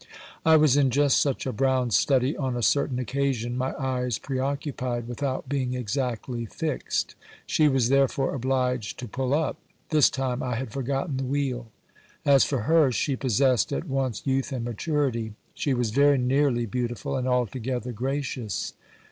I was in just such a brown study on a certain occasion, my eyes preoccupied without being exactly fixed. She was therefore obliged to pull up ; this time I had forgotten the wheel. As for her, she possessed at once youth and maturity; she was very nearly beautiful and altogether gracious.